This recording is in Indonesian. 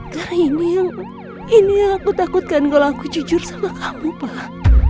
karena ini yang aku takutkan kalo aku jujur sama kamu pak